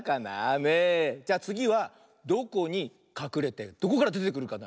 じゃあつぎはどこにかくれてどこからでてくるかな。